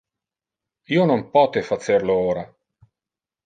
Io non pote facer lo ora.